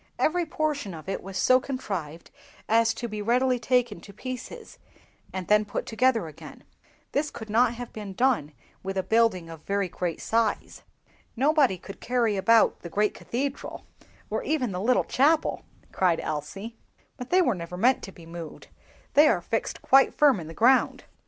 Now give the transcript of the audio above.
Every portion of it was so contrived as to be readily taken to pieces, and then put together again. This could not have been done with a building of very great size." "Nobody could carry about the great cathedral, or even the little chapel!" cried Elsie; "but they were never meant to be moved, they are fixed quite firm in the ground."